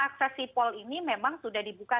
akses sipol ini memang sudah dibuka